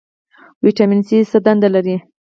ویټامین سي څه دنده لري؟